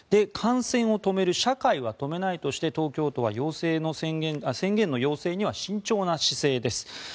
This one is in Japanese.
感染を止める社会は止めないとして東京都は宣言の要請には慎重な姿勢です。